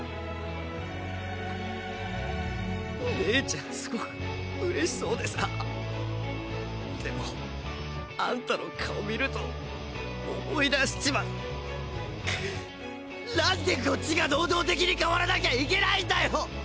姉ちゃんすごく嬉しそうでさぁでもあんたの顔見ると思い出しちまう。何でこっちが能動的に変わらなきゃいけないんだよ！